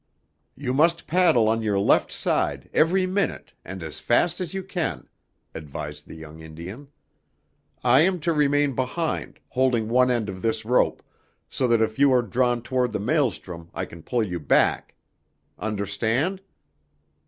"You must paddle on your left side, every minute and as fast as you can," advised the young Indian. "I am to remain behind, holding one end of this rope, so that if you are drawn toward the maelstrom I can pull you back. Understand?"